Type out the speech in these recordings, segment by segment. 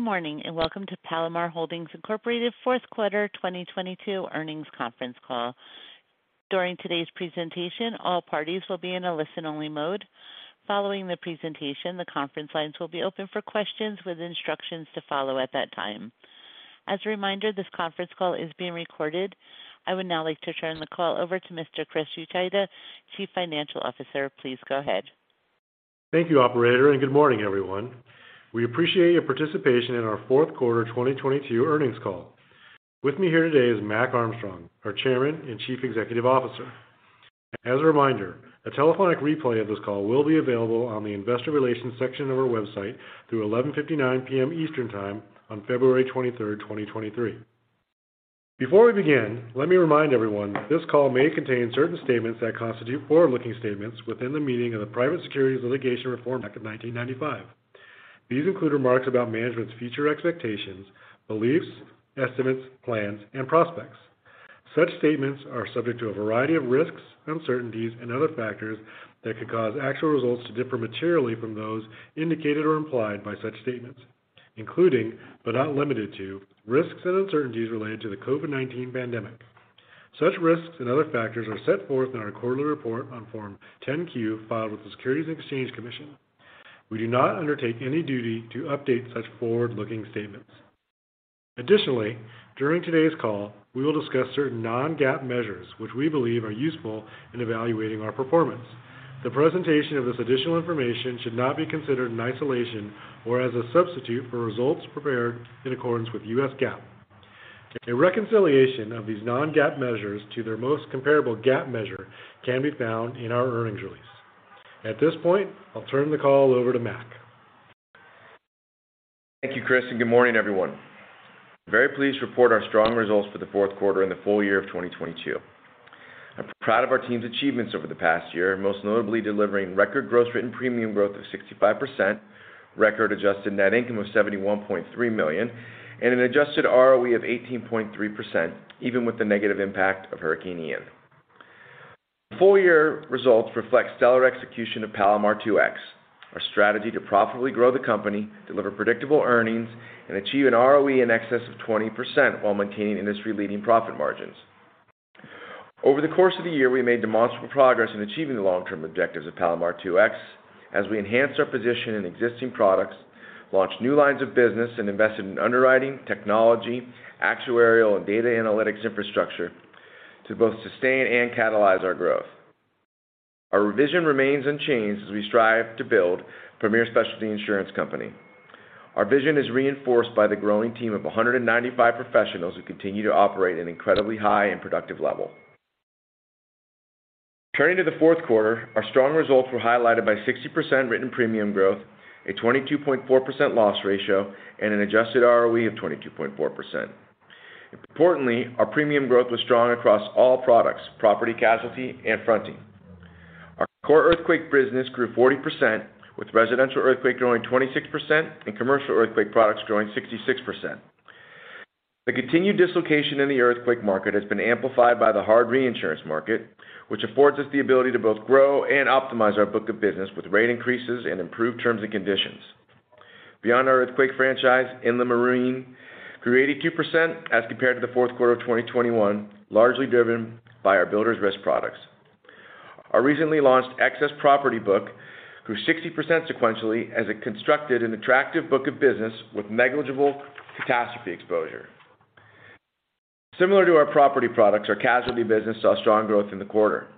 Good morning, Welcome to Palomar Holdings, Inc. fourth quarter 2022 earnings conference call. During today's presentation, all parties will be in a listen-only mode. Following the presentation, the conference lines will be open for questions with instructions to follow at that time. As a reminder, this conference call is being recorded. I would now like to turn the call over to Mr. Chris Uchida, Chief Financial Officer. Please go ahead. Thank you, operator. Good morning, everyone. We appreciate your participation in our fourth quarter 2022 earnings call. With me here today is Mac Armstrong, our Chairman and Chief Executive Officer. As a reminder, a telephonic replay of this call will be available on the investor relations section of our website through 11:59 P.M. Eastern Time on February 23rd, 2023. Before we begin, let me remind everyone this call may contain certain statements that constitute forward-looking statements within the meaning of the Private Securities Litigation Reform Act of 1995. These include remarks about management's future expectations, beliefs, estimates, plans, and prospects. Such statements are subject to a variety of risks, uncertainties, and other factors that could cause actual results to differ materially from those indicated or implied by such statements, including but not limited to risks and uncertainties related to the COVID-19 pandemic. Such risks and other factors are set forth in our quarterly report on Form 10-Q filed with the Securities and Exchange Commission. We do not undertake any duty to update such forward-looking statements. Additionally, during today's call, we will discuss certain non-GAAP measures, which we believe are useful in evaluating our performance. The presentation of this additional information should not be considered in isolation or as a substitute for results prepared in accordance with US GAAP. A reconciliation of these non-GAAP measures to their most comparable GAAP measure can be found in our earnings release. At this point, I'll turn the call over to Mac. Thank you, Chris. Good morning, everyone. Very pleased to report our strong results for the fourth quarter and the full year of 2022. I'm proud of our team's achievements over the past year, most notably delivering record gross written premium growth of 65%, record adjusted net income of $71.3 million, and an adjusted ROE of 18.3%, even with the negative impact of Hurricane Ian. The full year results reflect stellar execution of Palomar 2X, our strategy to profitably grow the company, deliver predictable earnings, and achieve an ROE in excess of 20% while maintaining industry-leading profit margins. Over the course of the year, we made demonstrable progress in achieving the long-term objectives of Palomar 2X as we enhanced our position in existing products, launched new lines of business, and invested in underwriting, technology, actuarial, and data analytics infrastructure to both sustain and catalyze our growth. Our revision remains unchanged as we strive to build premier specialty insurance company. Our vision is reinforced by the growing team of 195 professionals who continue to operate at an incredibly high and productive level. Turning to the fourth quarter, our strong results were highlighted by 60% written premium growth, a 22.4% loss ratio, and an adjusted ROE of 22.4%. Importantly, our premium growth was strong across all products, property, casualty, and fronting. Our core earthquake business grew 40%, with residential earthquake growing 26% and commercial earthquake products growing 66%. The continued dislocation in the earthquake market has been amplified by the hard reinsurance market, which affords us the ability to both grow and optimize our book of business with rate increases and improved terms and conditions. Beyond our earthquake franchise Inland marine grew 82% as compared to the fourth quarter of 2021, largely driven by our builder's risk products. Our recently launched excess property book grew 60% sequentially as it constructed an attractive book of business with negligible catastrophe exposure. Similar to our property products, our casualty business saw strong growth in the quarter.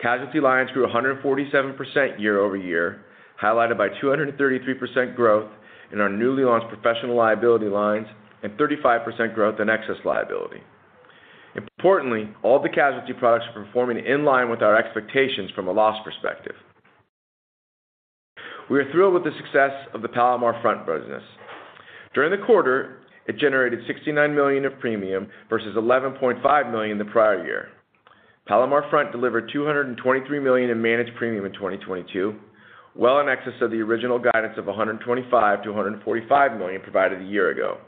Casualty lines grew 147% year-over-year, highlighted by 233% growth in our newly launched professional liability lines and 35% growth in excess liability. All the casualty products are performing in line with our expectations from a loss perspective. We are thrilled with the success of the Palomar FRONT business. During the quarter, it generated $69 million of premium versus $11.5 million the prior year. Palomar FRONT delivered $223 million in managed premium in 2022, well in excess of the original guidance of $125 million-$145 million provided a year ago.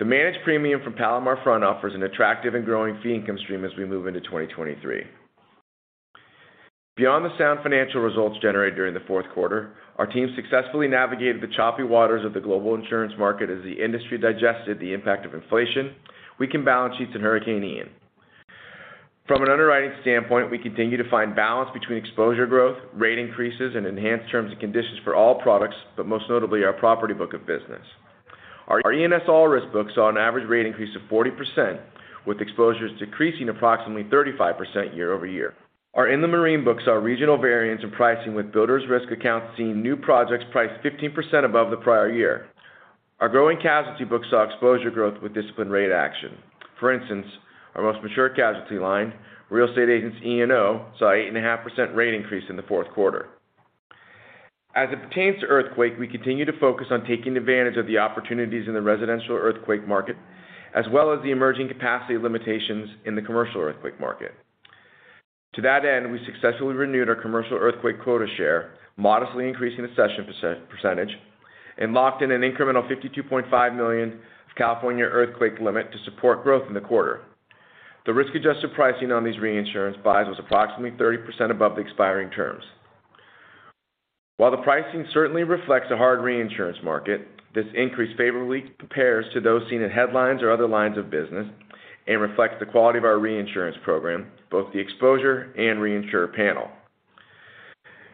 The managed premium from Palomar FRONT offers an attractive and growing fee income stream as we move into 2023. Beyond the sound financial results generated during the fourth quarter, our team successfully navigated the choppy waters of the global insurance market as the industry digested the impact of inflation. We can balance sheets in Hurricane Ian. From an underwriting standpoint, we continue to find balance between exposure growth, rate increases, and enhanced terms and conditions for all products, but most notably our property book of business. Our E&S all risk book saw an average rate increase of 40%, with exposures decreasing approximately 35% year-over-year. Our Inland marine books saw regional variance in pricing with builders risk accounts seeing new projects priced 15% above the prior year. Our growing casualty books saw exposure growth with disciplined rate action. For instance, our most mature casualty line, real estate agents E&O, saw eight and a half percent rate increase in the fourth quarter. As it pertains to earthquake, we continue to focus on taking advantage of the opportunities in the residential earthquake market, as well as the emerging capacity limitations in the commercial earthquake market. To that end, we successfully renewed our commercial earthquake quota share, modestly increasing the session percentage, and locked in an incremental $52.5 million of California earthquake limit to support growth in the quarter. The risk-adjusted pricing on these reinsurance buys was approximately 30% above the expiring terms. While the pricing certainly reflects a hard reinsurance market, this increase favorably compares to those seen in headlines or other lines of business and reflects the quality of our reinsurance program, both the exposure and reinsurer panel.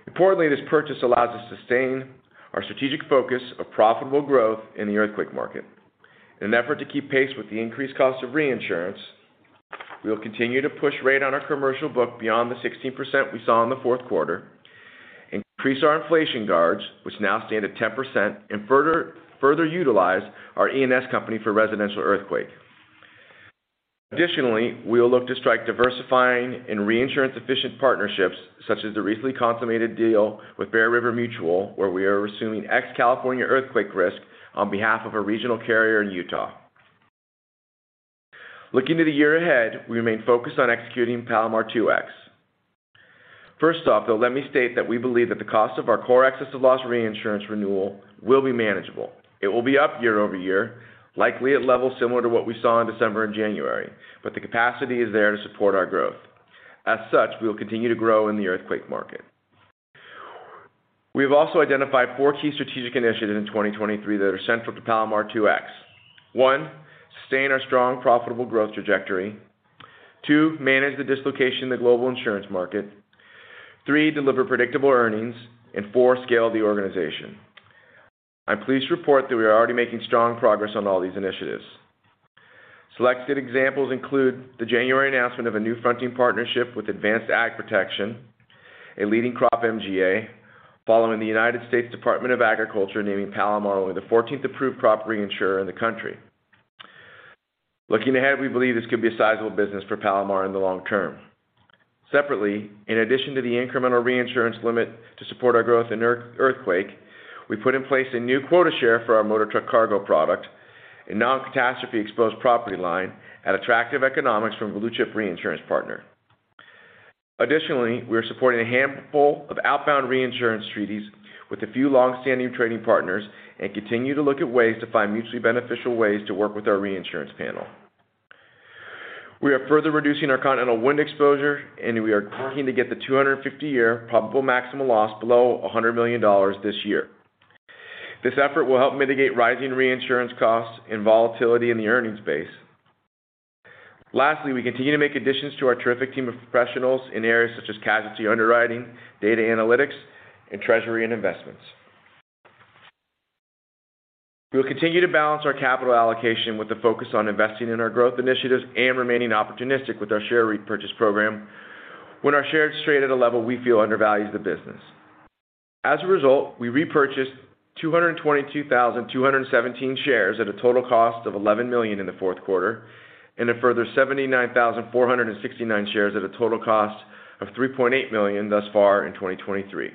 Importantly, this purchase allows us to sustain our strategic focus of profitable growth in the earthquake market. In an effort to keep pace with the increased cost of reinsurance, we'll continue to push rate on our commercial book beyond the 16% we saw in the fourth quarter, increase our inflation guards, which now stand at 10%, and further utilize our E&S company for residential earthquake. We will look to strike diversifying and reinsurance efficient partnerships such as the recently consummated deal with Bear River Mutual, where we are assuming ex-California earthquake risk on behalf of a regional carrier in Utah. Looking to the year ahead, we remain focused on executing Palomar 2X. First off, though, let me state that we believe that the cost of our core excess of loss reinsurance renewal will be manageable. It will be up year-over-year, likely at levels similar to what we saw in December and January, but the capacity is there to support our growth. As such, we will continue to grow in the earthquake market. We have also identified four key strategic initiatives in 2023 that are central to Palomar 2X. One, sustain our strong profitable growth trajectory. Two, manage the dislocation in the global insurance market. Three, deliver predictable earnings. Four, scale the organization. I'm pleased to report that we are already making strong progress on all these initiatives. Selected examples include the January announcement of a new fronting partnership with Advanced AgProtection, a leading crop MGA, following the United States Department of Agriculture naming Palomar only the fourteenth approved crop reinsurer in the country. Looking ahead, we believe this could be a sizable business for Palomar in the long term. Separately, in addition to the incremental reinsurance limit to support our growth in earth-earthquake, we put in place a new quota share for our Motor Truck Cargo product, a non-catastrophe exposed property line at attractive economics from a blue-chip reinsurance partner. Additionally, we are supporting a handful of outbound reinsurance treaties with a few long-standing trading partners and continue to look at ways to find mutually beneficial ways to work with our reinsurance panel. We are further reducing our continental wind exposure, and we are working to get the 250-year probable maximum loss below $100 million this year. This effort will help mitigate rising reinsurance costs and volatility in the earnings base. Lastly, we continue to make additions to our terrific team of professionals in areas such as casualty underwriting, data analytics, and treasury and investments. We will continue to balance our capital allocation with a focus on investing in our growth initiatives and remaining opportunistic with our share repurchase program when our shares trade at a level we feel undervalues the business. As a result, we repurchased 222,217 shares at a total cost of $11 million in the fourth quarter, and a further 79,469 shares at a total cost of $3.8 million thus far in 2023.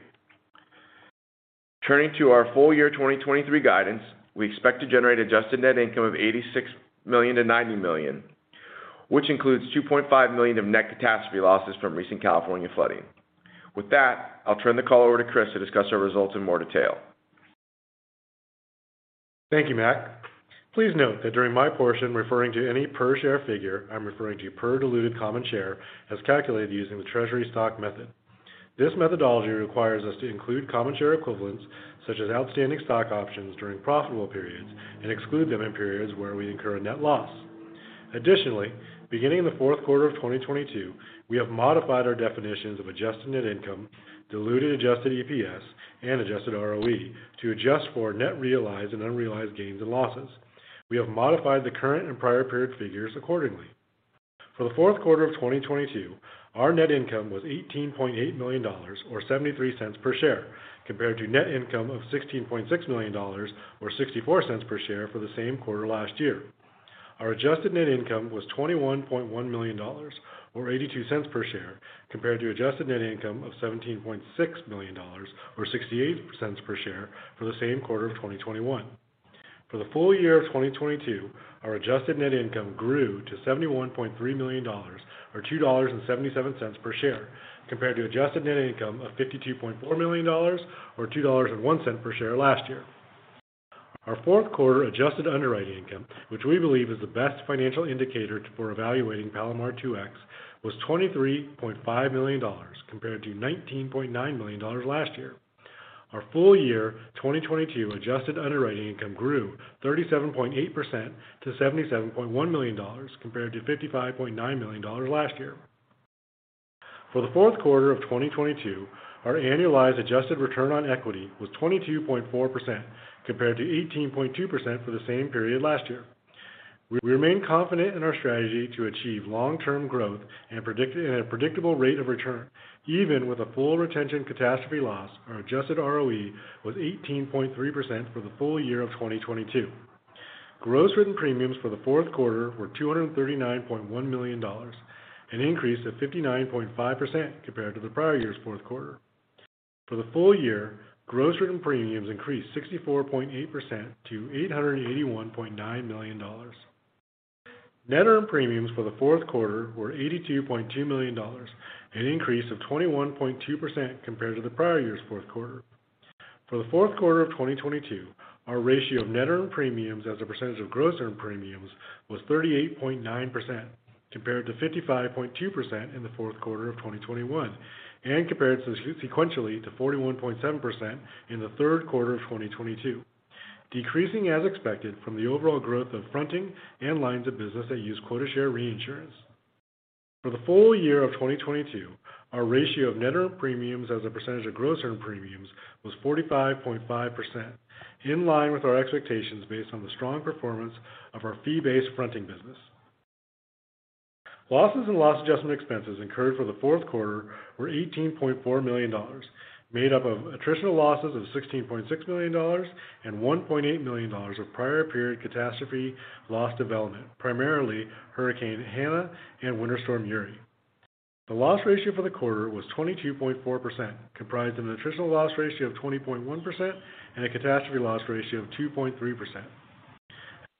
Turning to our full year 2023 guidance, we expect to generate adjusted net income of $86 million-$90 million, which includes $2.5 million of net catastrophe losses from recent California flooding. With that, I'll turn the call over to Chris to discuss our results in more detail. Thank you, Mac. Please note that during my portion referring to any per-share figure, I'm referring to per diluted common share as calculated using the treasury stock method. This methodology requires us to include common share equivalents, such as outstanding stock options during profitable periods and exclude them in periods where we incur a net loss. Additionally, beginning in the fourth quarter of 2022, we have modified our definitions of adjusted net income, diluted adjusted EPS, and adjusted ROE to adjust for net realized and unrealized gains and losses. We have modified the current and prior period figures accordingly. For the fourth quarter of 2022, our net income was $18.8 million or $0.73 per share, compared to net income of $16.6 million or $0.64 per share for the same quarter last year. Our adjusted net income was $21.1 million or $0.82 per share, compared to adjusted net income of $17.6 million or $0.68 per share for the same quarter of 2021. For the full year of 2022, our adjusted net income grew to $71.3 million or $2.77 per share, compared to adjusted net income of $52.4 million or $2.01 per share last year. Our fourth quarter adjusted underwriting income, which we believe is the best financial indicator for evaluating Palomar 2X, was $23.5 million, compared to $19.9 million last year. Our full year 2022 adjusted underwriting income grew 37.8% to seventy-seventh point one million dollars, compared to $55.9 million last year. For the fourth quarter of 2022, our annualized adjusted return on equity was 22.4%, compared to 18.2% for the same period last year. We remain confident in our strategy to achieve long-term growth and a predicted, predictable rate of return. Even with a full retention catastrophe loss, our adjusted ROE was 18.3% for the full year of 2022. Gross written premiums for the fourth quarter were $239.1 million, an increase of 59.5% compared to the prior year's fourth quarter. For the full year, gross written premiums increased 64.8% to $881.9 million. Net earned premiums for the fourth quarter were $82.2 million, an increase of 21.2% compared to the prior year's fourth quarter. For the fourth quarter of 2022, our ratio of net earned premiums as a percentage of gross earned premiums was 38.9% compared to 55.2% in the fourth quarter of 2021, and compared sequentially to 41.7% in the third quarter of 2022. Decreasing as expected from the overall growth of fronting and lines of business that use quota share reinsurance. For the full year of 2022, our ratio of net earned premiums as a percentage of gross earned premiums was 45.5%, in line with our expectations based on the strong performance of our fee-based fronting business. Losses and loss adjustment expenses incurred for the fourth quarter were $18.4 million, made up of attritional losses of $16.6 million and $1.8 million of prior period catastrophe loss development, primarily Hurricane Hanna and Winter Storm Uri. The loss ratio for the quarter was 22.4%, comprised of an attritional loss ratio of 20.1% and a catastrophe loss ratio of 2.3%.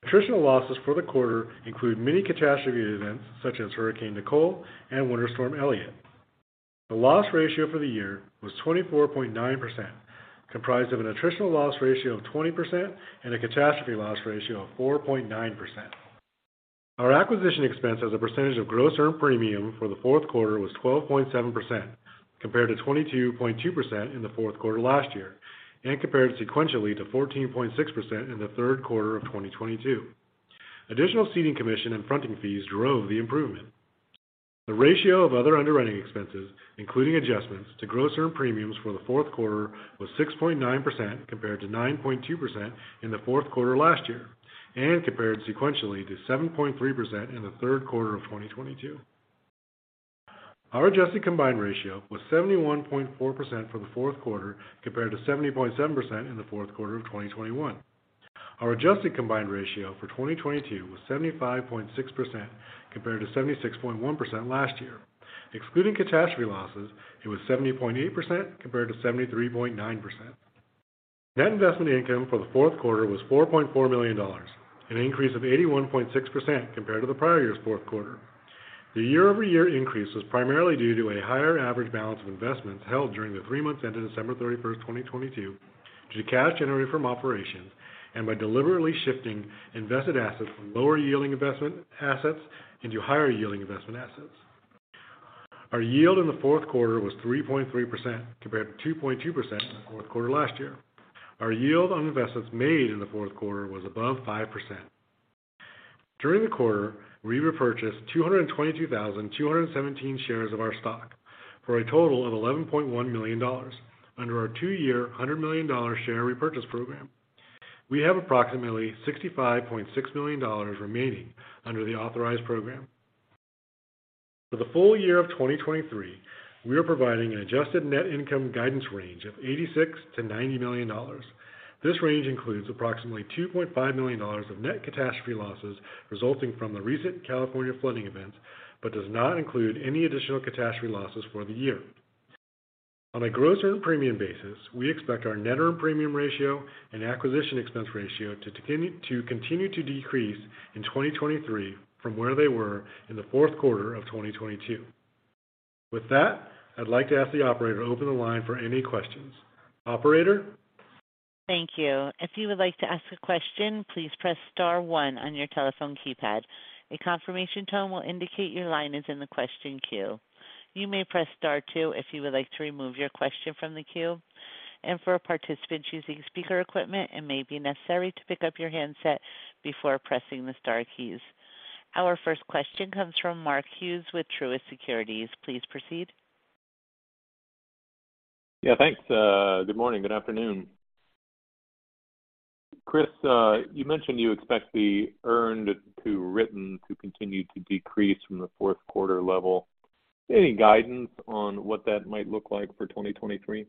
Attritional losses for the quarter include many catastrophe events such as Hurricane Nicole and Winter Storm Elliott. The loss ratio for the year was 24.9%, comprised of an attritional loss ratio of 20% and a catastrophe loss ratio of 4.9%. Our acquisition expense as a percentage of gross earned premium for the fourth quarter was 12.7% compared to 22.2% in the fourth quarter last year, and compared sequentially to 14.6% in the third quarter of 2022. Additional ceding commission and fronting fees drove the improvement. The ratio of other underwriting expenses, including adjustments to gross earned premiums for the fourth quarter was 6.9% compared to 9.2% in the fourth quarter last year, and compared sequentially to 7.3% in the third quarter of 2022. Our adjusted combined ratio was 71.4% for the fourth quarter compared to 70.7% in the fourth quarter of 2021. Our adjusted combined ratio for 2022 was 75.6% compared to 76.1% last year. Excluding catastrophe losses, it was 70.8% compared to 73.9%. Net investment income for the fourth quarter was $4.4 million, an increase of 81.6% compared to the prior year's fourth quarter. The year-over-year increase was primarily due to a higher average balance of investments held during the three months ended December 31, 2022, due to cash generated from operations and by deliberately shifting invested assets from lower yielding investment assets into higher yielding investment assets. Our yield in the fourth quarter was 3.3% compared to 2.2% in the fourth quarter last year. Our yield on investments made in the fourth quarter was above 5%. During the quarter, we repurchased 222,217 shares of our stock for a total of $11.1 million under our 2-year $100 million share repurchase program. We have approximately $65.6 million remaining under the authorized program. For the full year of 2023, we are providing an adjusted net income guidance range of $86 million-$90 million. This range includes approximately $25 million of net catastrophe losses resulting from the recent California flooding events, does not include any additional catastrophe losses for the year. On a gross earned premium basis, we expect our net earned premium ratio and acquisition expense ratio to continue to decrease in 2023 from where they were in the fourth quarter of 2022. With that, I'd like to ask the operator to open the line for any questions. Operator? Thank you. If you would like to ask a question, please press star one on your telephone keypad. A confirmation tone will indicate your line is in the question queue. You may press Star two if you would like to remove your question from the queue. For participants using speaker equipment, it may be necessary to pick up your handset before pressing the star keys. Our first question comes from Mark Hughes with Truist Securities. Please proceed. Thanks, good morning. Good afternoon. Chris, you mentioned you expect the earned to written to continue to decrease from the fourth quarter level. Any guidance on what that might look like for 2023?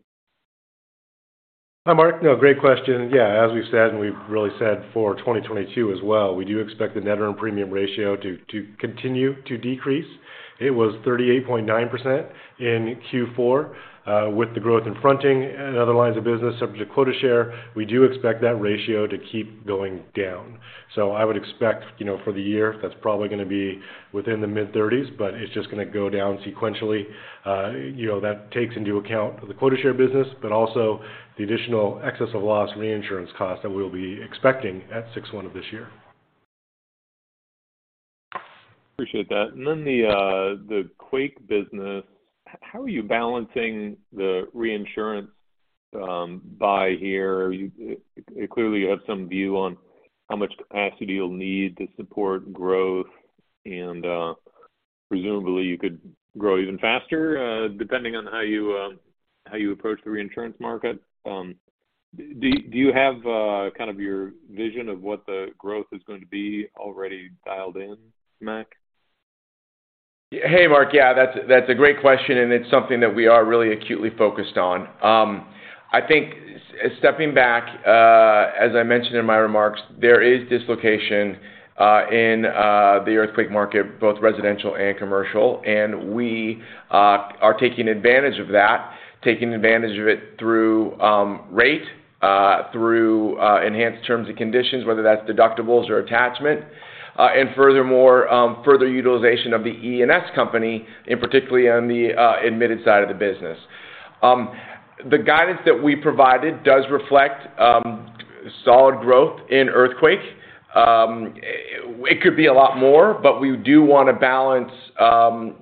Hi, Mark. No, great question. As we've said, and we've really said for 2022 as well, we do expect the net earned premium ratio to continue to decrease. It was 38.9% in Q4. With the growth in fronting and other lines of business subject to quota share, we do expect that ratio to keep going down. I would expect, you know, for the year, that's probably gonna be within the mid-thirties, but it's just gonna go down sequentially. You know, that takes into account the quota share business, but also the additional excess of loss reinsurance cost that we'll be expecting at June 1 of this year. Appreciate that. Then the quake business. How are you balancing the reinsurance by here? Clearly, you have some view on how much capacity you'll need to support growth. Presumably you could grow even faster, depending on how you approach the reinsurance market. Do you have kind of your vision of what the growth is going to be already dialed in, Mac? Hey, Mark. Yeah, that's a great question, and it's something that we are really acutely focused on. I think stepping back, as I mentioned in my remarks, there is dislocation in the earthquake market, both residential and commercial. We are taking advantage of that. Taking advantage of it through rate, through enhanced terms and conditions, whether that's deductibles or attachment. Furthermore, further utilization of the E&S company and particularly on the admitted side of the business. The guidance that we provided does reflect solid growth in earthquake. It could be a lot more, but we do wanna balance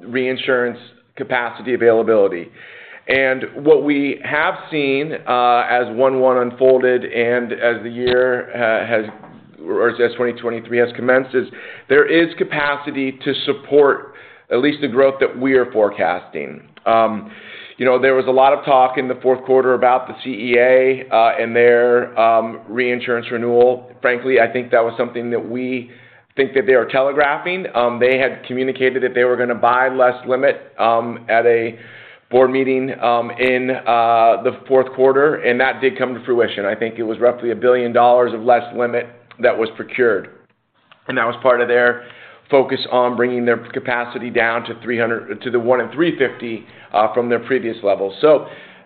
reinsurance capacity availability. What we have seen, as 1/1 unfolded and as the year 2023 has commenced, is there is capacity to support at least the growth that we are forecasting. You know, there was a lot of talk in the fourth quarter about the CEA and their reinsurance renewal. Frankly, I think that was something that we think that they are telegraphing. They had communicated that they were gonna buy less limit at a board meeting in the fourth quarter, and that did come to fruition. I think it was roughly $1 billion of less limit that was procured. That was part of their focus on bringing their capacity down to the one in 350 from their previous levels.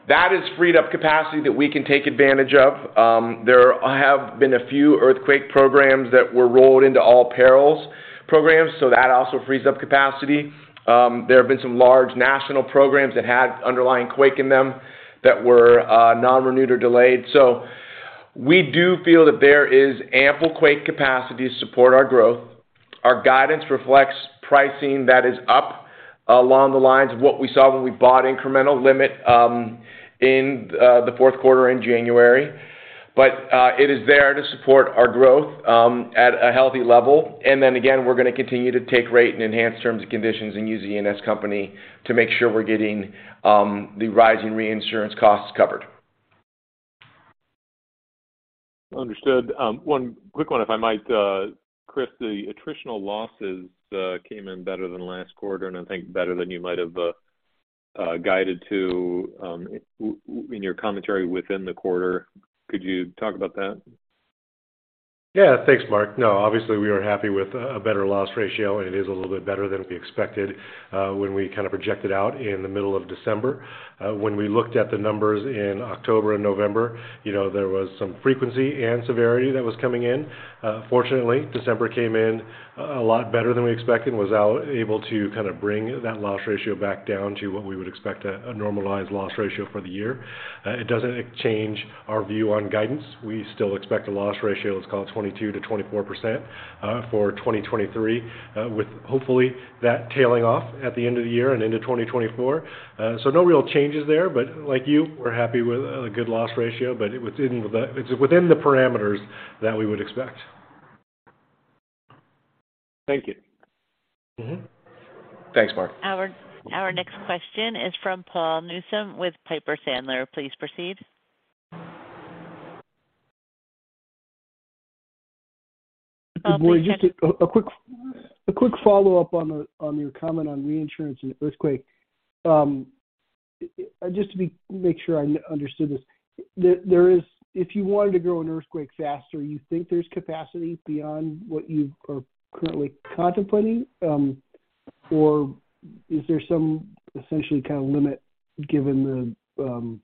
That is freed up capacity that we can take advantage of. There have been a few earthquake programs that were rolled into all perils programs, so that also frees up capacity. There have been some large national programs that had underlying quake in them that were non-renewed or delayed. We do feel that there is ample quake capacity to support our growth. Our guidance reflects pricing that is up along the lines of what we saw when we bought incremental limit in the fourth quarter in January. It is there to support our growth at a healthy level. Again, we're gonna continue to take rate and enhance terms and conditions and use the E&S Company to make sure we're getting the rising reinsurance costs covered. Understood. One quick one, if I might. Chris, the attritional losses came in better than last quarter, and I think better than you might have guided to in your commentary within the quarter. Could you talk about that? Yeah. Thanks, Mark. Obviously, we are happy with a better loss ratio, and it is a little bit better than we expected when we kind of projected out in the middle of December. When we looked at the numbers in October and November, you know, there was some frequency and severity that was coming in. Fortunately, December came in a lot better than we expected and was now able to kind of bring that loss ratio back down to what we would expect a normalized loss ratio for the year. It doesn't change our view on guidance. We still expect a loss ratio, let's call it 22%-24%, for 2023, with hopefully that tailing off at the end of the year and into 2024. No real changes there, but like you, we're happy with a good loss ratio, it's within the parameters that we would expect. Thank you. Mm-hmm. Thanks, Mark. Our next question is from Paul Newsome with Piper Sandler. Please proceed. Mac Armstrong, just a quick follow-up on your comment on reinsurance and earthquake. Just to make sure I understood this. There is If you wanted to grow an earthquake faster, you think there's capacity beyond what you are currently contemplating, or is there some essentially kind of limit given the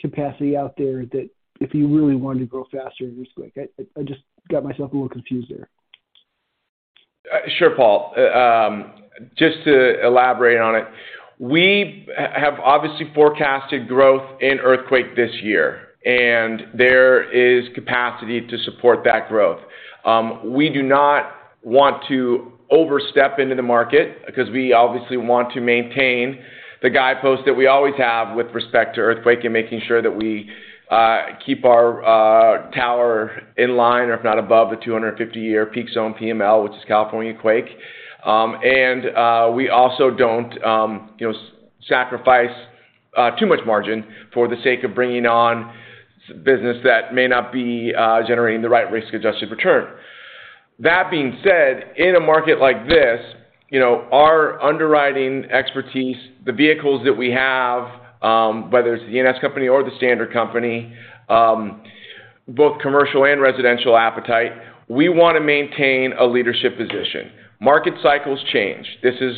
capacity out there that if you really wanted to grow faster in earthquake? I just got myself a little confused there. Sure, Paul. Just to elaborate on it, we have obviously forecasted growth in earthquake this year, and there is capacity to support that growth. We do not want to overstep into the market because we obviously want to maintain the guidepost that we always have with respect to earthquake and making sure that we keep our tower in line, if not above the 250-year peak zone PML, which is California quake. We also don't, you know, sacrifice too much margin for the sake of bringing on business that may not be generating the right risk-adjusted return. That being said, in a market like this, you know, our underwriting expertise, the vehicles that we have, whether it's the E&S Company or the standard company, both commercial and residential appetite, we wanna maintain a leadership position. Market cycles change. This is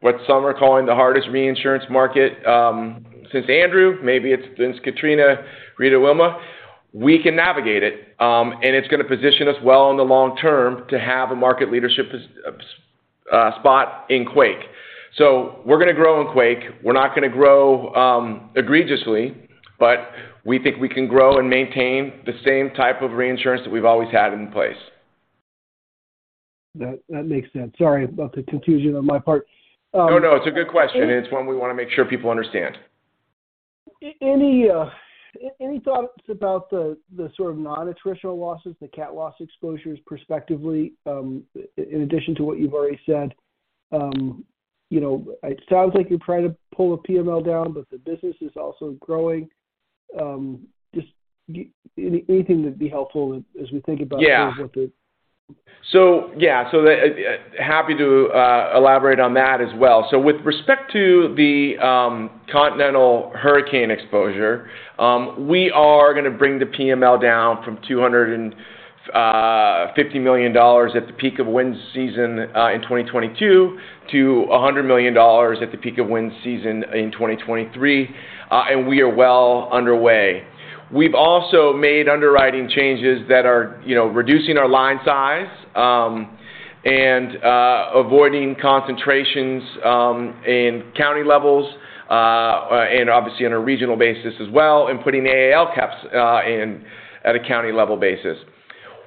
what some are calling the hardest reinsurance market, since Hurricane Andrew, maybe it's been Hurricane Katrina, Hurricane Rita, Hurricane Wilma. We can navigate it, and it's gonna position us well in the long term to have a market leadership spot in quake. We're gonna grow in quake. We're not gonna grow egregiously, but we think we can grow and maintain the same type of reinsurance that we've always had in place. That makes sense. Sorry about the confusion on my part. No, it's a good question. It's one we wanna make sure people understand. Any thoughts about the sort of non-attritional losses, the cat loss exposures prospectively, in addition to what you've already said? You know, it sounds like you're trying to pull the PML down, but the business is also growing. Just anything that'd be helpful as we think about Happy to elaborate on that as well. With respect to the continental hurricane exposure, we are gonna bring the PML down from $250 million at the peak of wind season in 2022 to $100 million at the peak of wind season in 2023, and we are well underway. We've also made underwriting changes that are, you know, reducing our line size, and avoiding concentrations in county levels, and obviously on a regional basis as well, and putting AAL caps in at a county level basis.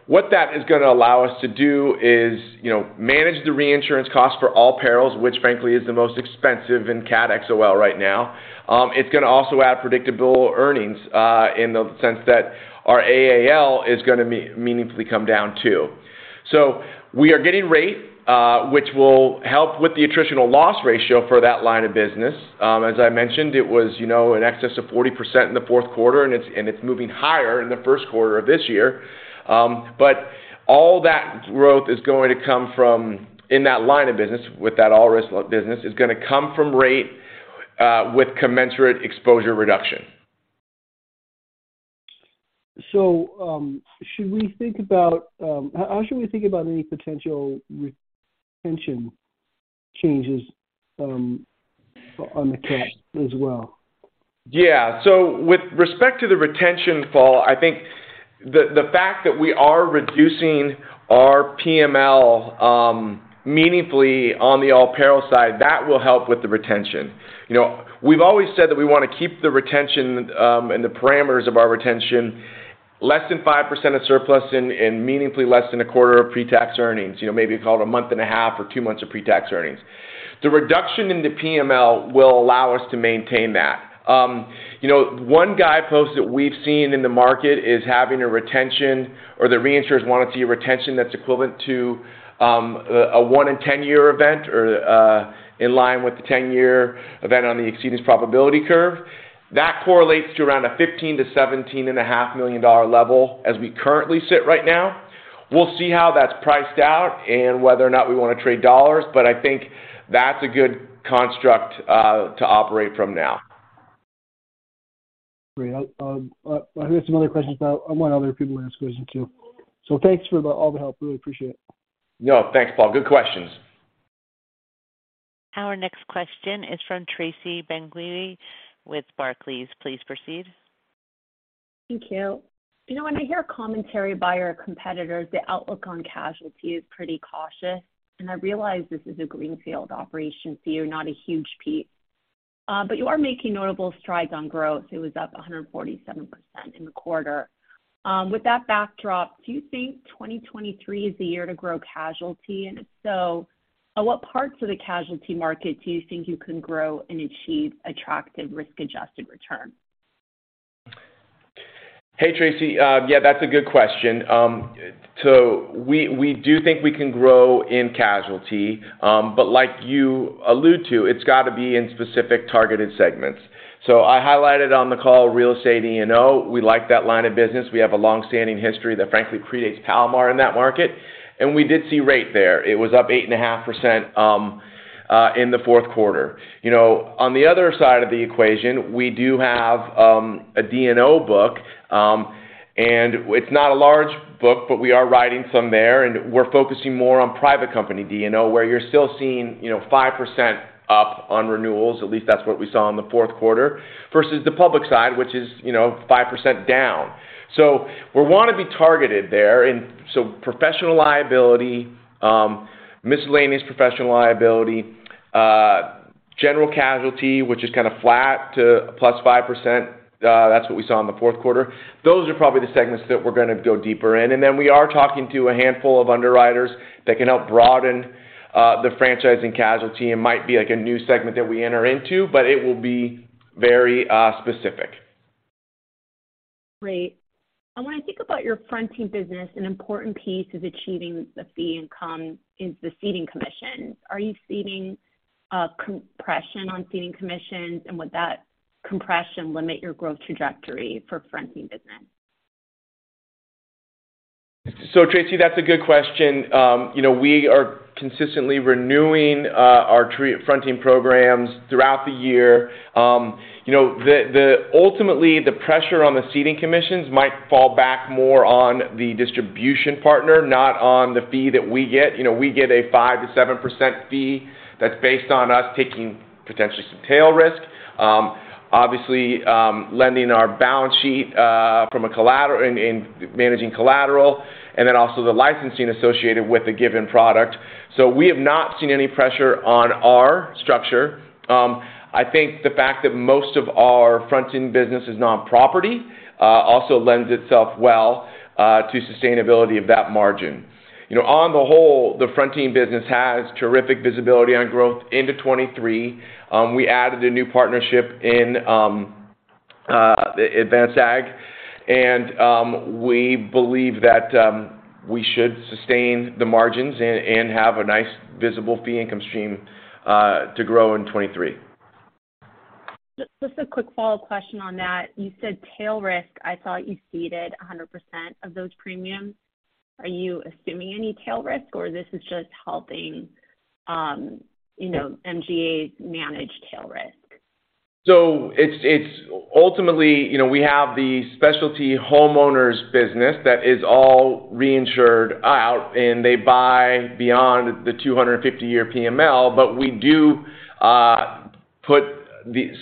What that is going to allow us to do is, you know, manage the reinsurance costs for all perils, which frankly is the most expensive in Catastrophe XOL right now. It's going to also add predictable earnings, in the sense that our AAL is going to meaningfully come down too. We are getting rate, which will help with the attritional loss ratio for that line of business. As I mentioned, it was, you know, in excess of 40% in the fourth quarter, and it's moving higher in the first quarter of this year. All that growth is going to come from in that line of business with that all risk business, is going to come from rate, with commensurate exposure reduction. How should we think about any potential retention changes on the cap as well? With respect to the retention, Paul, I think the fact that we are reducing our PML meaningfully on the all peril side, that will help with the retention. We've always said that we want to keep the retention and the parameters of our retention less than 5% of surplus and meaningfully less than a quarter of pre-tax earnings. Maybe call it 1.5 months or two months of pre-tax earnings. The reduction in the PML will allow us to maintain that. One guidepost that we've seen in the market is having a retention or the reinsurers want to see a retention that's equivalent to a one in 10-year event or in line with the 10-year event on the exceedance probability curve. That correlates to around a $15 million-$17.5 million level as we currently sit right now. We'll see how that's priced out and whether or not we want to trade dollars. I think that's a good construct to operate from now. Great. I have some other questions, but I want other people to ask questions too. Thanks for all the help. Really appreciate it. No, thanks, Paul. Good questions. Our next question is from Tracy Benguigui with Barclays. Please proceed. Thank you. You know, when I hear commentary by our competitors, the outlook on casualty is pretty cautious, I realize this is a greenfield operation, so you're not a huge piece. You are making notable strides on growth. It was up 147% in the quarter. With that backdrop, do you think 2023 is the year to grow casualty? If so, what parts of the casualty market do you think you can grow and achieve attractive risk-adjusted return? Hey, Tracy. Yeah, that's a good question. We, we do think we can grow in casualty, but like you allude to, it's got to be in specific targeted segments. I highlighted on the call real estate E&O. We like that line of business. We have a long-standing history that frankly predates Palomar in that market, and we did see rate there. It was up 8.5% in the fourth quarter. You know, on the other side of the equation, we do have a D&O book, and it's not a large book, but we are writing some there, and we're focusing more on private company D&O, where you're still seeing, you know, 5% up on renewals, at least that's what we saw in the fourth quarter, versus the public side, which is, you know, 5% down. We want to be targeted there in, so professional liability, miscellaneous professional liability, general casualty, which is kind of flat to +5%. That's what we saw in the fourth quarter. Those are probably the segments that we're going to go deeper in. We are talking to a handful of underwriters that can help broaden the franchising casualty. It might be like a new segment that we enter into, but it will be very specific. Great. When I think about your fronting business, an important piece of achieving the fee income is the ceding commission. Are you ceding compression on ceding commissions, and would that compression limit your growth trajectory for fronting business? Tracy, that's a good question. You know, we are consistently renewing our fronting programs throughout the year. You know, ultimately, the pressure on the ceding commissions might fall back more on the distribution partner, not on the fee that we get. You know, we get a 5%-7% fee that's based on us taking potentially some tail risk. Obviously, lending our balance sheet from a collateral and managing collateral, and then also the licensing associated with a given product. We have not seen any pressure on our structure. I think the fact that most of our fronting business is non-property also lends itself well to sustainability of that margin. You know, on the whole, the fronting business has terrific visibility on growth into 2023. We added a new partnership in Advanced Ag, and we believe that we should sustain the margins and have a nice visible fee income stream to grow in 23. Just a quick follow-up question on that. You said tail risk. I thought you ceded 100% of those premiums. Are you assuming any tail risk or this is just helping, you know, MGAs manage tail risk? It's, it's ultimately, you know, we have the specialty homeowners business that is all reinsured out and they buy beyond the 250-year PML. We do put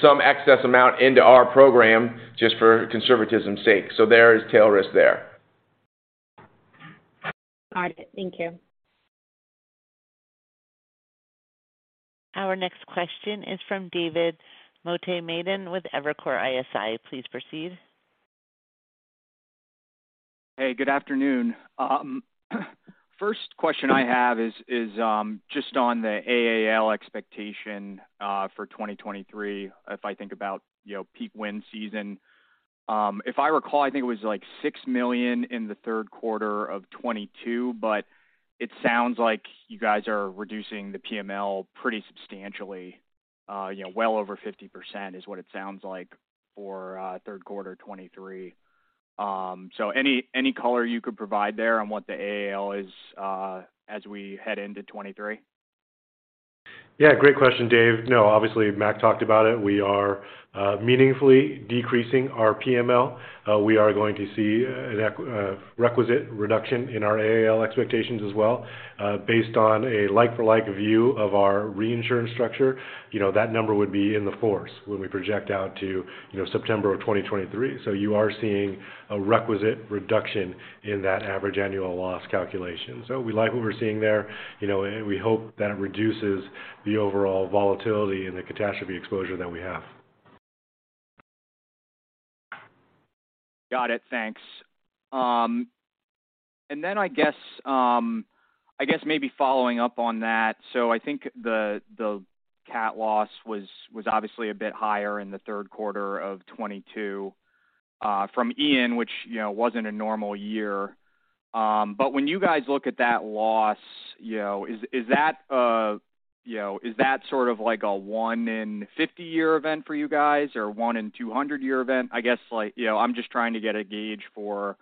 some excess amount into our program just for conservatism's sake. There is tail risk there. Got it. Thank you. Our next question is from David Motemaden with Evercore ISI. Please proceed. Hey, good afternoon. First question I have is just on the AAL expectation for 2023. If I think about, you know, peak wind season, if I recall, I think it was like $6 million in the third quarter of 2022, but it sounds like you guys are reducing the PML pretty substantially, you know, well over 50% is what it sounds like for third quarter 2023. Any color you could provide there on what the AAL is as we head into 2023? Great question, Dave. No, obviously, Mac talked about it. We are meaningfully decreasing our PML. We are going to see a requisite reduction in our AAL expectations as well, based on a like-for-like view of our reinsurance structure. You know, that number would be in the force when we project out to, you know, September of 2023. You are seeing a requisite reduction in that average annual loss calculation. We like what we're seeing there, you know, and we hope that reduces the overall volatility and the catastrophe exposure that we have. Got it. Thanks. Maybe following up on that. I think the cat loss was obviously a bit higher in the third quarter of 2022 from Hurricane Ian, which, you know, wasn't a normal year. When you guys look at that loss, you know, is that, you know, sort of like a one in 50 year event for you guys or one in 200 year event? Like, you know, I'm just trying to get a gauge for,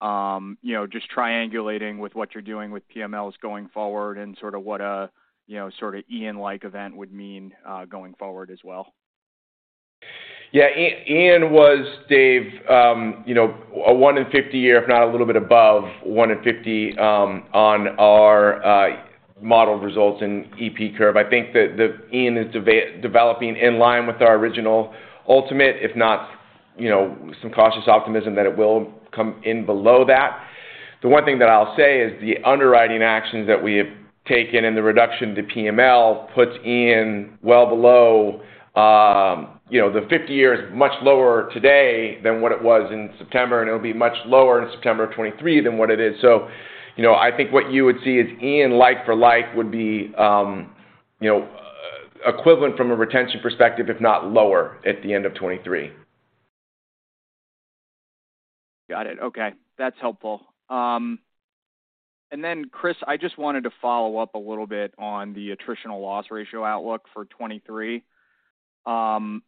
you know, just triangulating with what you're doing with PMLs going forward and sort of what a, you know, sort of Hurricane Ian-like event would mean going forward as well. Yeah. Ian was, Dave, you know, a one in 50 year, if not a little bit above one in 50, on our modeled results in EP curve. I think that Ian is developing in line with our original ultimate, if not, you know, some cautious optimism that it will come in below that. The one thing that I'll say is the underwriting actions that we have taken and the reduction to PML puts Ian well below, you know, the 50 years, much lower today than what it was in September, and it'll be much lower in September of 2023 than what it is. You know, I think what you would see is Ian like for like would be, you know, equivalent from a retention perspective, if not lower at the end of 2023. Got it. Okay. That's helpful. Chris, I just wanted to follow up a little bit on the attritional loss ratio outlook for 23. You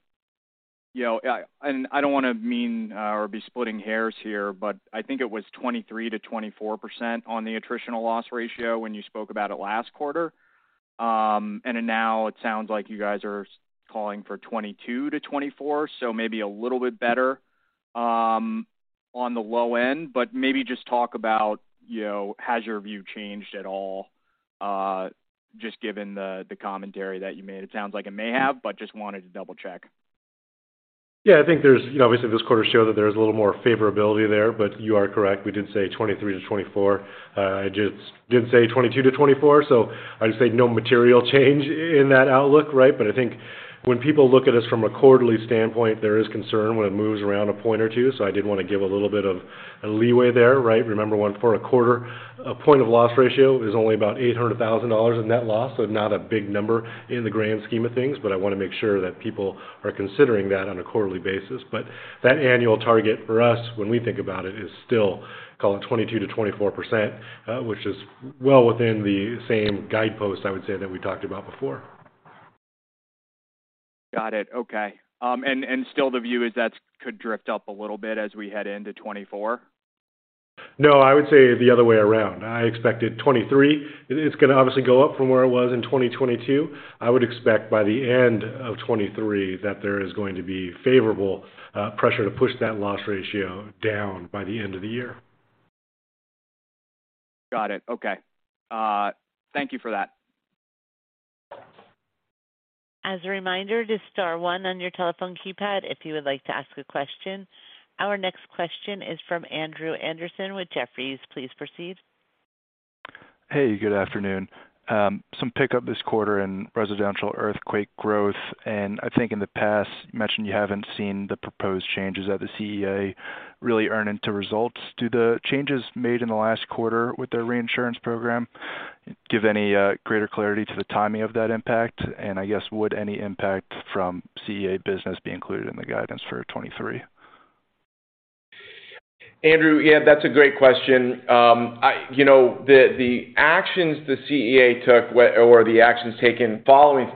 know, I mean, I don't want to be splitting hairs here, but I think it was 23%-24% on the attritional loss ratio when you spoke about it last quarter. Now it sounds like you guys are calling for 22%-24%, so maybe a little bit better on the low end. Maybe just talk about, you know, has your view changed at all, just given the commentary that you made? It sounds like it may have, but just wanted to double-check. I think there's, you know, obviously this quarter showed that there's a little more favorability there, but you are correct. We did say 23-24. I just didn't say 22-24. I'd say no material change in that outlook, right? I think when people look at us from a quarterly standpoint, there is concern when it moves around a point or two. I did want to give a little bit of a leeway there, right? Remember, when for a quarter, a point of loss ratio is only about $800,000 in net loss, not a big number in the grand scheme of things. I want to make sure that people are considering that on a quarterly basis. That annual target for us when we think about it is still call it 22%-24%, which is well within the same guidepost, I would say, that we talked about before. Got it. Okay. Still the view is that could drift up a little bit as we head into 24? No, I would say the other way around. I expected 23. It's going to obviously go up from where it was in 2022. I would expect by the end of 23 that there is going to be favorable pressure to push that loss ratio down by the end of the year. Got it. Okay. Thank you for that. As a reminder, just star one on your telephone keypad if you would like to ask a question. Our next question is from Andrew Andersen with Jefferies. Please proceed. Hey, good afternoon. Some pickup this quarter in residential earthquake growth, and I think in the past you mentioned you haven't seen the proposed changes at the CEA really earn into results. Do the changes made in the last quarter with their reinsurance program give any greater clarity to the timing of that impact? Would any impact from CEA business be included in the guidance for 2023? Andrew, yeah, that's a great question. You know, the actions the CEA took or the actions taken following,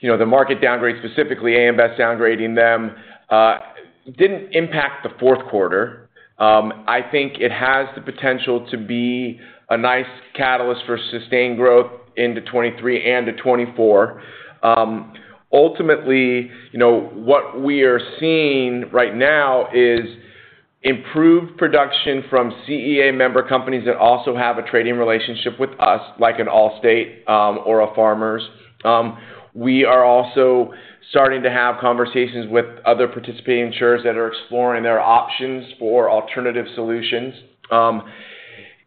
you know, the market downgrade, specifically AM Best downgrading them, didn't impact the fourth quarter. I think it has the potential to be a nice catalyst for sustained growth into 2023 and to 2024. Ultimately, you know, what we are seeing right now is improved production from CEA member companies that also have a trading relationship with us, like an Allstate, or a Farmers. We are also starting to have conversations with other participating insurers that are exploring their options for alternative solutions.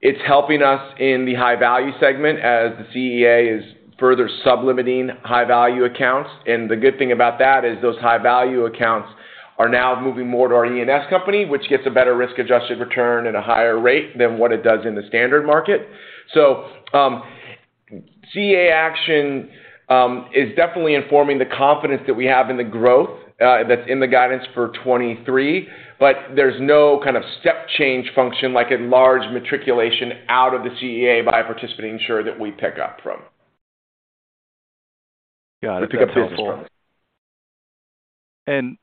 It's helping us in the high-value segment as the CEA is further sub-limiting high-value accounts. The good thing about that is those high-value accounts are now moving more to our E&S company, which gets a better risk-adjusted return at a higher rate than what it does in the standard market. CEA action is definitely informing the confidence that we have in the growth that's in the guidance for 23, but there's no kind of step change function like a large matriculation out of the CEA by a participating insurer that we pick up from. Got it. That business from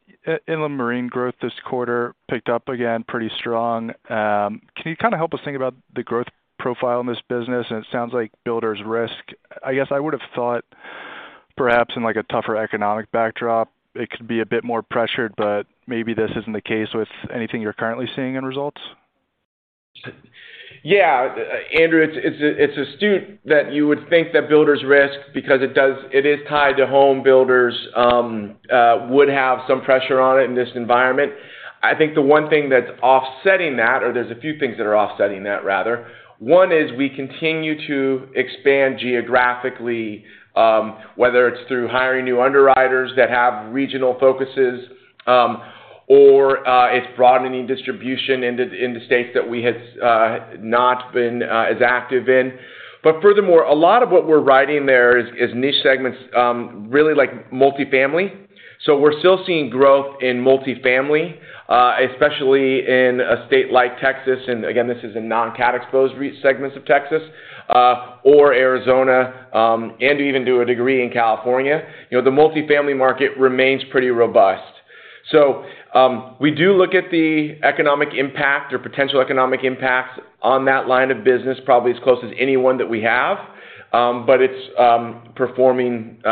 Inland marine growth this quarter picked up again pretty strong. Can you kind of help us think about the growth profile in this business? It sounds like builders risk. I guess I would have thought perhaps in, like, a tougher economic backdrop, it could be a bit more pressured, but maybe this isn't the case with anything you're currently seeing in results. Andrew, it's astute that you would think that builders risk because it is tied to homebuilders would have some pressure on it in this environment. I think the one thing that's offsetting that, or there's a few things that are offsetting that, rather. One is we continue to expand geographically, whether it's through hiring new underwriters that have regional focuses, or it's broadening distribution into, in the states that we had not been as active in. Furthermore, a lot of what we're writing there is niche segments, really like multifamily. We're still seeing growth in multifamily, especially in a state like Texas. Again, this is in non-cat exposed segments of Texas, or Arizona, and even to a degree in California. You know, the multifamily market remains pretty robust. We do look at the economic impact or potential economic impact on that line of business, probably as close as anyone that we have. It's performing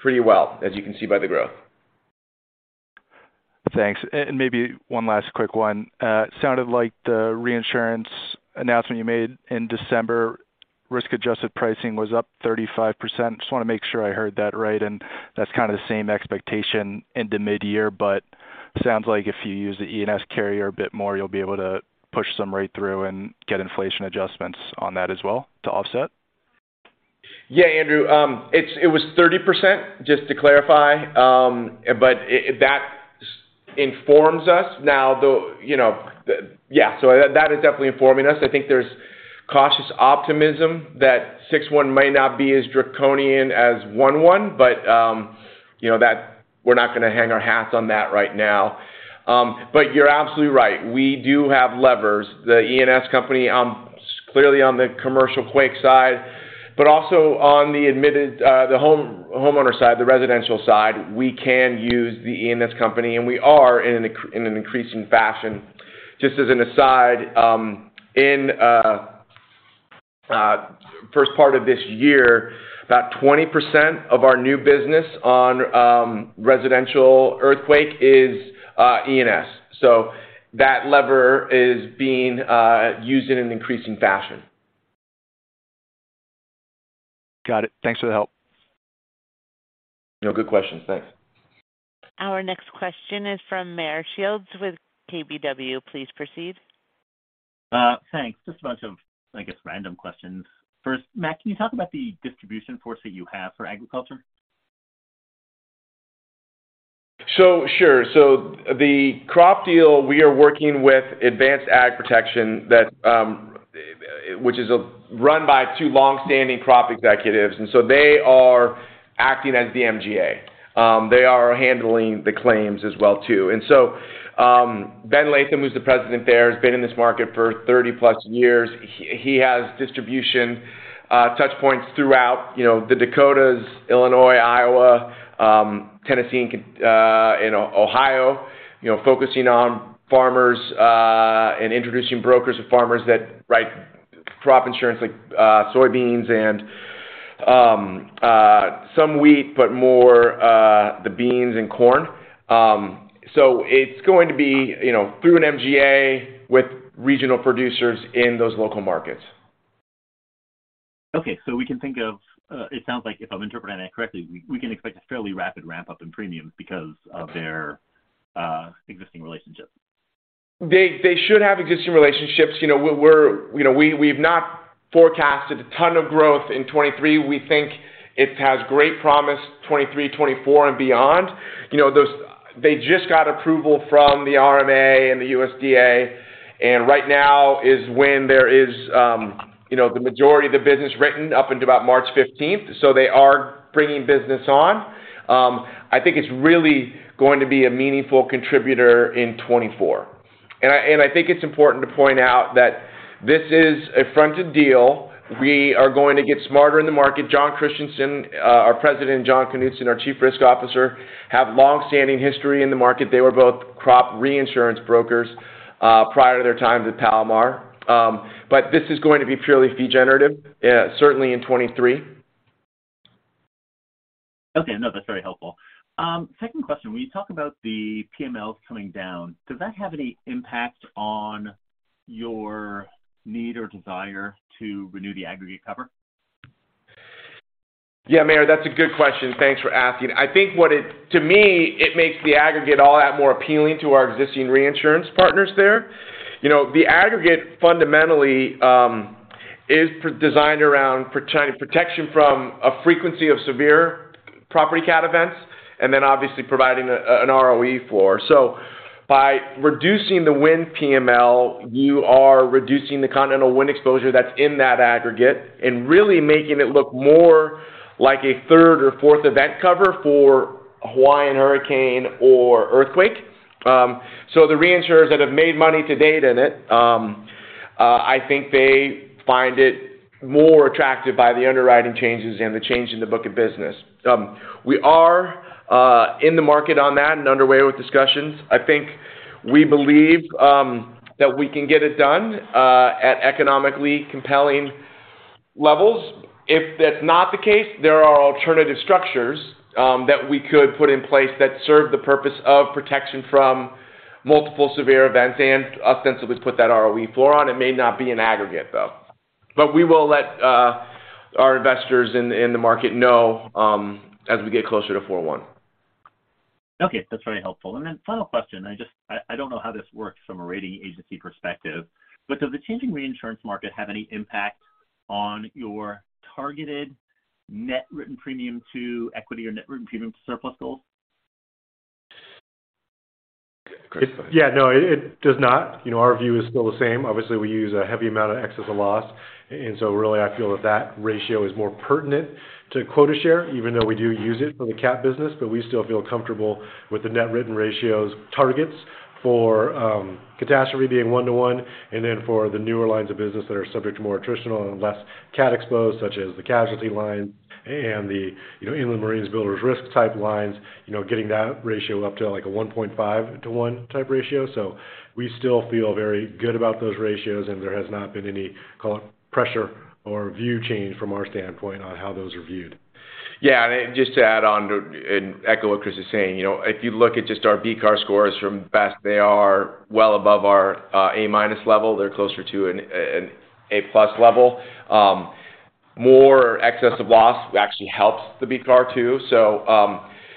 pretty well as you can see by the growth. Thanks. Maybe one last quick one. Sounded like the reinsurance announcement you made in December, risk-adjusted pricing was up 35%. Just wanna make sure I heard that right. That's kind of the same expectation into mid-year, but sounds like if you use the E&S carrier a bit more, you'll be able to push some right through and get inflation adjustments on that as well to offset. Yeah, Andrew. It was 30%, just to clarify. That informs us. Now, you know, yeah, that is definitely informing us. I think there's cautious optimism that 6/1 might not be as draconian as 1/1, you know, that we're not gonna hang our hat on that right now. You're absolutely right. We do have levers. The E&S company, clearly on the commercial quake side, also on the admitted, the home, homeowner side, the residential side, we can use the E&S company, we are in an increasing fashion. Just as an aside, in the first part of this year, about 20% of our new business on residential earthquake is E&S. That lever is being used in an increasing fashion. Got it. Thanks for the help. No, good questions. Thanks. Our next question is from Meyer Shields with KBW. Please proceed. Thanks. Just a bunch of, I guess, random questions. First, Mac, can you talk about the distribution force that you have for agriculture? Sure. The crop deal, we are working with Advanced AgProtection that, which is run by 2 long-standing crop executives, they are acting as the MGA. They are handling the claims as well too. Ben Latham, who's the president there, has been in this market for 30-plus years. He has distribution touch points throughout, you know, the Dakotas, Illinois, Iowa, Tennessee, and Ohio, you know, focusing on farmers and introducing brokers to farmers that write crop insurance like soybeans and some wheat, but more the beans and corn. It's going to be, you know, through an MGA with regional producers in those local markets. Okay. We can think of, it sounds like if I'm interpreting that correctly, we can expect a fairly rapid ramp-up in premiums because of their existing relationships. They should have existing relationships. You know, we've not forecasted a ton of growth in 23. We think it has great promise, 23, 24 and beyond. You know, they just got approval from the RMA and the USDA. Right now is when there is, you know, the majority of the business written up until about March 15th. They are bringing business on. I think it's really going to be a meaningful contributor in 24. I think it's important to point out that this is a fronted deal. We are going to get smarter in the market. Jon Christianson, our President, and Jon Knutzen, our Chief Risk Officer, have long-standing history in the market. They were both crop reinsurance brokers prior to their time with Palomar. This is going to be purely fee generative, certainly in 23. Okay. No, that's very helpful. Second question, when you talk about the PMLs coming down, does that have any impact on your need or desire to renew the aggregate cover? Yeah, Meyer, that's a good question. Thanks for asking. I think to me, it makes the aggregate all that more appealing to our existing reinsurance partners there. You know, the aggregate fundamentally is designed around protection from a frequency of severe property cat events and then obviously providing an ROE floor. By reducing the wind PML, you are reducing the continental wind exposure that's in that aggregate and really making it look more like a third or fourth event cover for Hawaiian hurricane or earthquake. The reinsurers that have made money to date in it, I think they find it more attractive by the underwriting changes and the change in the book of business. We are in the market on that and underway with discussions. I think we believe that we can get it done at economically compelling levels. If that's not the case, there are alternative structures that we could put in place that serve the purpose of protection from multiple severe events and ostensibly put that ROE floor on. It may not be an aggregate, though. We will let our investors in the market know as we get closer to 4/1. Okay. That's very helpful. Then final question. I don't know how this works from a rating agency perspective. Does the changing reinsurance market have any impact on your targeted net written premium to equity or net written premium to surplus goals? Chris. No, it does not. You know, our view is still the same. Obviously, we use a heavy amount of excess of loss. Really I feel that that ratio is more pertinent to quota share, even though we do use it for the cat business. We still feel comfortable with the net written ratios targets for catastrophe being one-to-one, and then for the newer lines of business that are subject to more attritional and less cat exposed, such as the casualty lines and the, you know, inland marines builders risk type lines, you know, getting that ratio up to, like, a 1.5-to-1 type ratio. We still feel very good about those ratios. There has not been any pressure or view change from our standpoint on how those are viewed. Yeah. Just to echo what Chris is saying, you know, if you look at just our BCAR scores from Best, they are well above our A-minus level. They're closer to an A-plus level. More excess of loss actually helps the BCAR, too.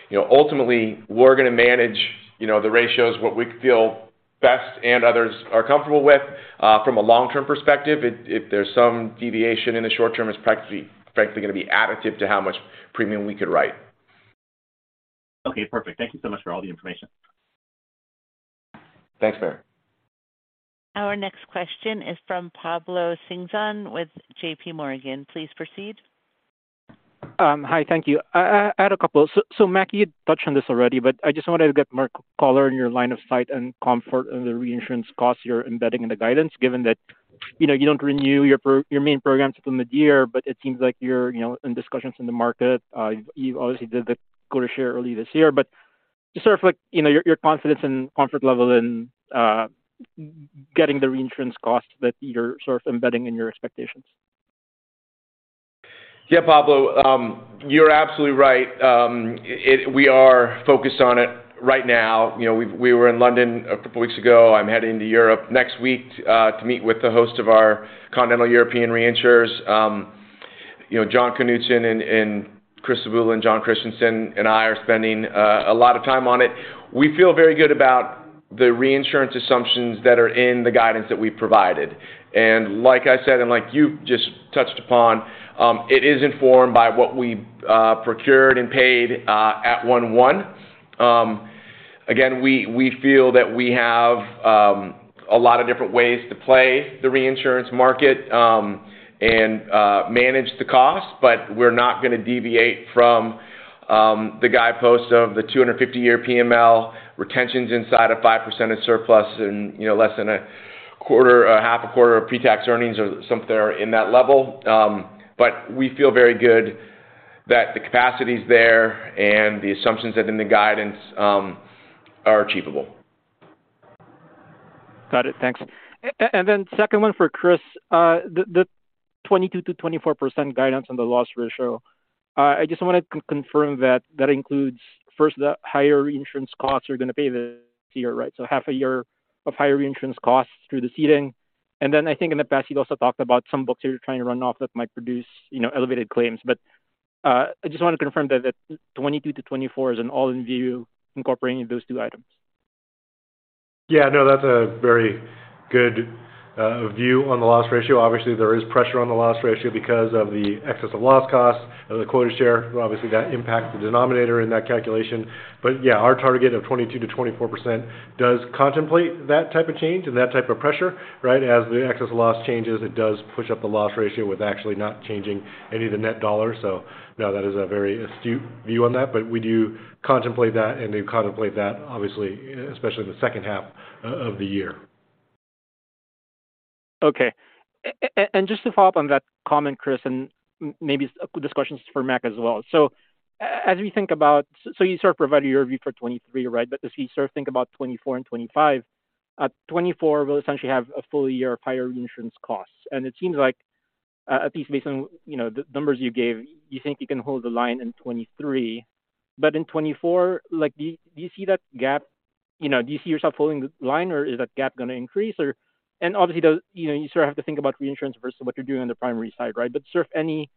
You know, ultimately, we're gonna manage, you know, the ratios what we feel Best and others are comfortable with, from a long-term perspective. If there's some deviation in the short term, it's practically, frankly, gonna be additive to how much premium we could write. Okay, perfect. Thank you so much for all the information. Thanks, Meyer. Our next question is from Pablo Singzon with JPMorgan. Please proceed. Hi. Thank you. I had a couple. Mac, you touched on this already, but I just wanted to get more color on your line of sight and comfort on the reinsurance costs you're embedding in the guidance, given that, you know, you don't renew your main programs till midyear, but it seems like you're, you know, in discussions in the market. You've obviously did the quota share early this year. Just sort of like, you know, your confidence and comfort level in getting the reinsurance costs that you're sort of embedding in your expectations. Yeah, Pablo, you're absolutely right. We are focused on it right now. You know, we were in London 2 weeks ago. I'm heading to Europe next week to meet with the host of our continental European reinsurers. You know, Jon Knutzen and Chris Sabal and Jon Christianson and I are spending a lot of time on it. We feel very good about the reinsurance assumptions that are in the guidance that we've provided. Like I said, and like you just touched upon, it is informed by what we procured and paid at 1/1. Again, we feel that we have a lot of different ways to play the reinsurance market, and manage the cost, but we're not gonna deviate from the guideposts of the 250-year PML retentions inside of 5% of surplus and, you know, less than a quarter or half a quarter of pre-tax earnings or something in that level. We feel very good that the capacity is there and the assumptions that are in the guidance are achievable. Got it. Thanks. Then second one for Chris. The 22%-24% guidance on the loss ratio, I just wanted to confirm that that includes first the higher reinsurance costs you're gonna pay this year, right? So half a year of higher reinsurance costs through the ceding. Then I think in the past, you've also talked about some books you're trying to run off that might produce, you know, elevated claims. I just want to confirm that the 22-24 is an all-in view incorporating those two items. Yeah, no, that's a very good view on the loss ratio. Obviously, there is pressure on the loss ratio because of the excess of loss costs, of the quota share. Obviously, that impacts the denominator in that calculation. Yeah, our target of 22%-24% does contemplate that type of change and that type of pressure, right? As the excess loss changes, it does push up the loss ratio with actually not changing any of the net dollars. No, that is a very astute view on that, but we do contemplate that and do contemplate that obviously, especially in the second half of the year. Okay. Just to follow up on that comment, Chris Uchida, and maybe this question is for Mac Armstrong as well. As we think about... So you sort of provided your view for 2023, right? As we sort of think about 2024 and 2025, 2024 will essentially have a full year of higher reinsurance costs. It seems like, at least based on, you know, the numbers you gave, you think you can hold the line in 2023. In 2024, like, do you see that gap? You know, do you see yourself holding the line or is that gap gonna increase or... Obviously, the, you know, you sort of have to think about reinsurance versus what you're doing on the primary side, right? Is there any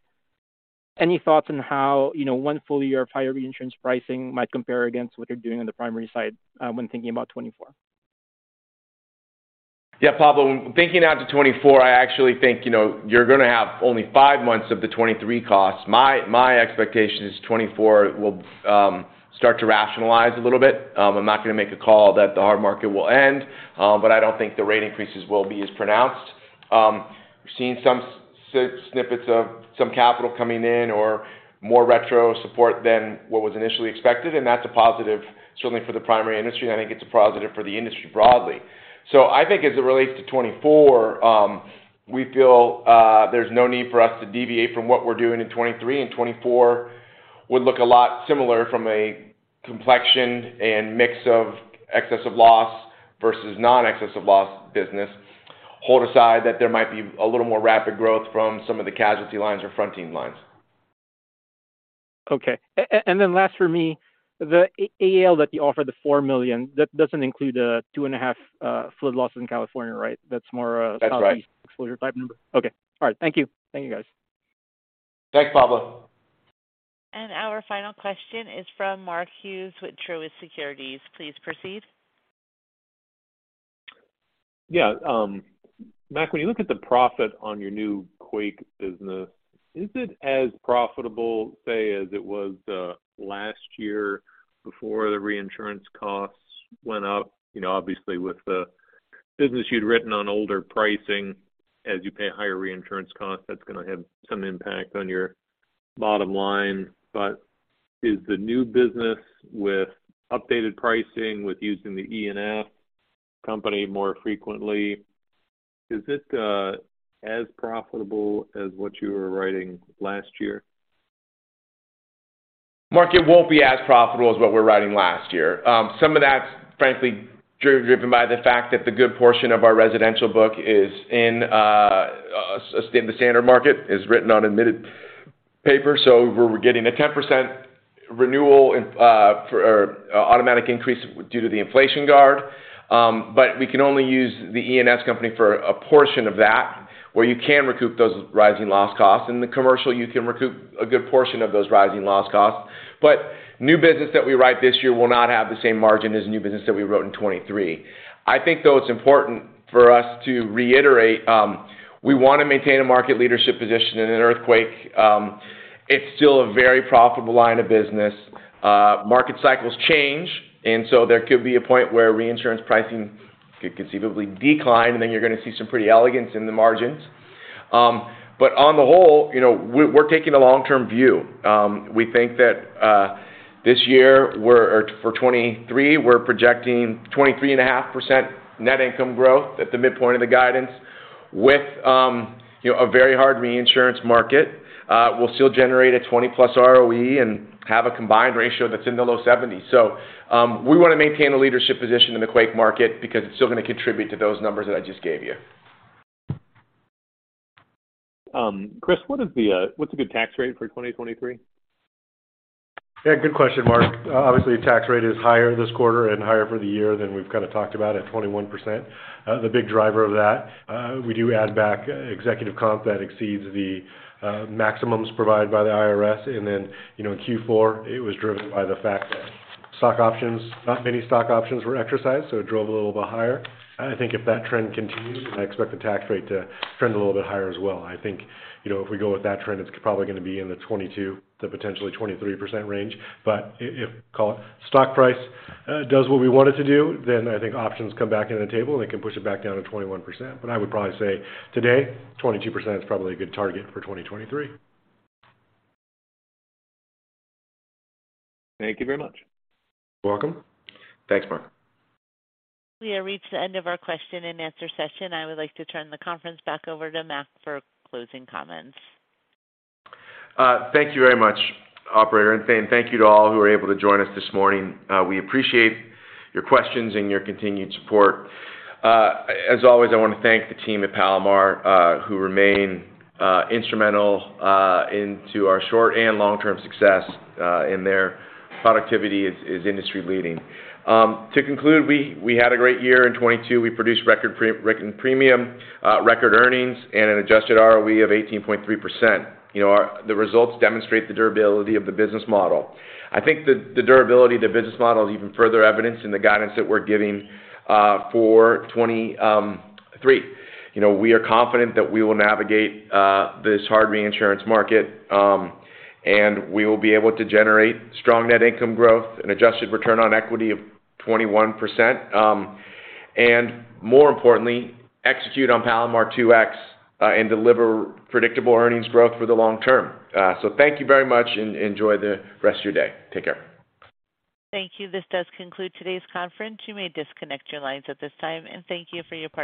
thoughts on how, you know, one full year of higher reinsurance pricing might compare against what you're doing on the primary side, when thinking about 2024? Yeah, Pablo, thinking out to 2024, I actually think, you know, you're gonna have only five months of the 2023 costs. My expectation is 2024 will start to rationalize a little bit. I'm not gonna make a call that the hard market will end, but I don't think the rate increases will be as pronounced. We've seen some snippets of some capital coming in or more retro support than what was initially expected, and that's a positive certainly for the primary industry, and I think it's a positive for the industry broadly. I think as it relates to 2024, we feel there's no need for us to deviate from what we're doing in 2023, and 2024 would look a lot similar from a complexion and mix of excess of loss versus non-excess of loss business. Hold aside that there might be a little more rapid growth from some of the casualty lines or fronting lines. Okay. Then last for me, the AAL that you offered, the $4 million, that doesn't include the two and a half flood loss in California, right? That's more. That's right. exposure type number. Okay. All right. Thank you. Thank you, guys. Thanks, Pablo. Our final question is from Mark Hughes with Truist Securities. Please proceed. Mac, when you look at the profit on your new quake business, is it as profitable, say, as it was last year before the reinsurance costs went up? You know, obviously with the business you'd written on older pricing, as you pay higher reinsurance costs, that's gonna have some impact on your bottom line. Is the new business with updated pricing, with using the E&S company more frequently, is it as profitable as what you were writing last year? Mark, it won't be as profitable as what we were writing last year. Some of that's frankly driven by the fact that the good portion of our residential book is in the standard market. It's written on admitted paper, so we're getting a 10% renewal in, for, or automatic increase due to the inflation guard. We can only use the E&S company for a portion of that, where you can recoup those rising loss costs. In the commercial, you can recoup a good portion of those rising loss costs. New business that we write this year will not have the same margin as new business that we wrote in 2023. I think, though, it's important for us to reiterate, we wanna maintain a market leadership position in an earthquake. It's still a very profitable line of business. Market cycles change. There could be a point where reinsurance pricing could conceivably decline, and then you're gonna see some pretty elegance in the margins. On the whole, you know, we're taking a long-term view. We think that this year or for 2023, we're projecting 23.5% net income growth at the midpoint of the guidance with, you know, a very hard reinsurance market. We'll still generate a 20+ ROE and have a combined ratio that's in the low 70s. We wanna maintain a leadership position in the quake market because it's still gonna contribute to those numbers that I just gave you. Chris, what's a good tax rate for 2023? Yeah, good question, Mark Hughes. Obviously tax rate is higher this quarter and higher for the year than we've kind of talked about at 21%. The big driver of that, we do add back executive comp that exceeds the maximums provided by the IRS. You know, in Q4, it was driven by the fact that stock options, not many stock options were exercised, so it drove a little bit higher. I think if that trend continues, I expect the tax rate to trend a little bit higher as well. I think, you know, if we go with that trend, it's probably gonna be in the 22%-23% range. If, call it, stock price, does what we want it to do, then I think options come back into the table, and it can push it back down to 21%. I would probably say today 22% is probably a good target for 2023. Thank you very much. You're welcome. Thanks, Mark. We have reached the end of our question and answer session. I would like to turn the conference back over to Mac for closing comments. Thank you very much, operator. Thank you to all who were able to join us this morning. We appreciate your questions and your continued support. As always, I wanna thank the team at Palomar, who remain instrumental into our short and long-term success, and their productivity is industry leading. To conclude, we had a great year in 2022. We produced record premium, record earnings, and an adjusted ROE of 18.3%. You know, the results demonstrate the durability of the business model. I think the durability of the business model is even further evidenced in the guidance that we're giving for 2023. You know, we are confident that we will navigate this hard reinsurance market, and we will be able to generate strong net income growth, an adjusted return on equity of 21%, and more importantly, execute on Palomar 2X, and deliver predictable earnings growth for the long term. Thank you very much and enjoy the rest of your day. Take care. Thank you. This does conclude today's conference. You may disconnect your lines at this time. Thank you for your participation.